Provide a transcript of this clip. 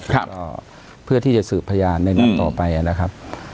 ก็เพื่อที่จะสืบพยานในนัดต่อไปนะครับ